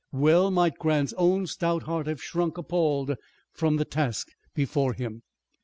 Well might Grant's own stout heart have shrunk appalled from the task before him.